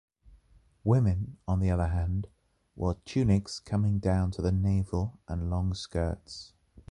Women, on the other hand, wore tunics coming down to the navel and long skirts.